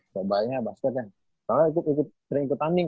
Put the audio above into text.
soalnya ikut sering ikut tanding